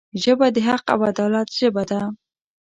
ژبه د حق او عدالت ژبه ده